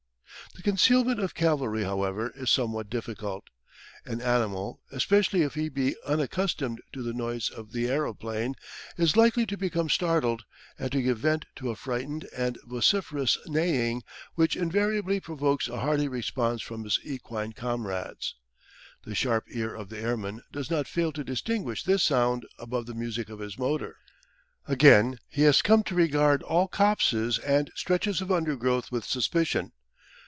The concealment of cavalry, however, is somewhat difficult. An animal, especially if he be unaccustomed to the noise of the aeroplane, is likely to become startled, and to give vent to a frightened and vociferous neighing which invariably provokes a hearty response from his equine comrades. The sharp ear of the airman does not fail to distinguish this sound above the music of his motor. Again, he has come to regard all copses and stretches of undergrowth with suspicion.